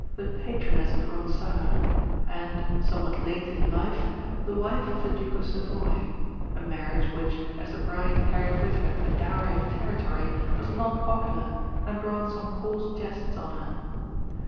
the patroness of Ronsard, and, somewhat late in life, the wife of the Duke of Savoy a marriage which, as the bride carried with her a dowry of territory, was not popular, and brought some coarse jests on her.